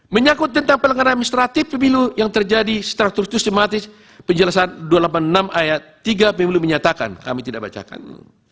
menyakut tentang pelanggaran administratif pemilu yang terjadi secara terus sistematis penjelasan dua ratus delapan puluh enam ayat tiga pemilu menyatakan kami tidak bacakan